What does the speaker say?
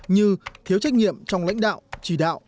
như thiếu trách nhiệm trong lãnh đạo chỉ đạo